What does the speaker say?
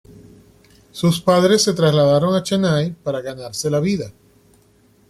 Sus padres se trasladaron a Chennai para ganarse la vida.